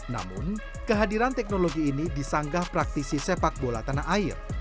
namun kehadiran teknologi ini disanggah praktisi sepak bola tanah air